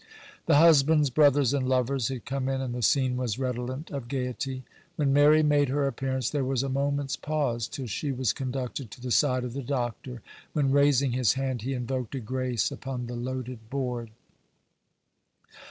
The husbands, brothers, and lovers had come in, and the scene was redolent of gaiety. When Mary made her appearance, there was a moment's pause, till she was conducted to the side of the Doctor; when, raising his hand, he invoked a grace upon the loaded board.